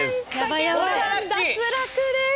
竹山さん脱落です。